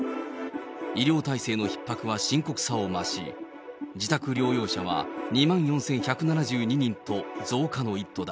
医療体制のひっ迫は深刻さを増し、自宅療養者は２万４１７２人と増加の一途だ。